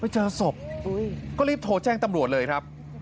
เจอศพก็รีบโทรแจ้งตำรวจเลยครับ